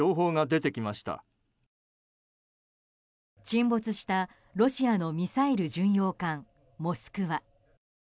沈没したロシアのミサイル巡洋艦「モスクワ」。